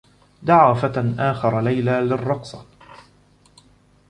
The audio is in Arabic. دعى فتى آخر ليلى للرّقصة.